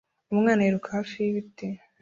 Umwana yiruka hafi y'ibiti